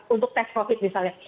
untuk tes covid misalnya